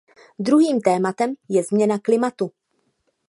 Druhým tématem je změna klimatu.